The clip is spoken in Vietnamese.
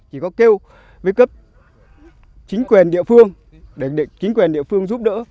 chỉ có kêu với cấp chính quyền địa phương để chính quyền địa phương giúp đỡ